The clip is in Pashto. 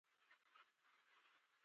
پښتانه د افغانستان د ملي اتحاد استازي دي.